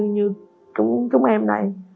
như chúng em đây